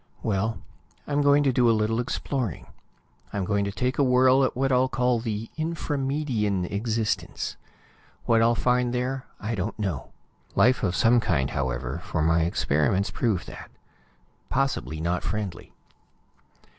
Well, I'm going to do a little exploring. I'm going to take a whirl at what I'll call the Infra Median existence. What I'll find there, I don't know. Life of some kind, however, for my experiments prove that. Possibly not friendly.